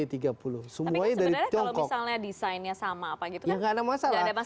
tapi sebenarnya kalau misalnya desainnya sama apa gitu nggak ada masalah